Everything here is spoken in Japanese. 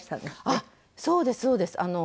あっそうですそうです。